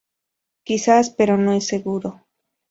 Quizás, pero no es seguro.